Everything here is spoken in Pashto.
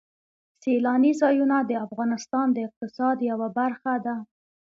سیلاني ځایونه د افغانستان د اقتصاد یوه برخه ده.